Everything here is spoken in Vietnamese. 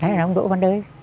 thế là ông đỗ văn đới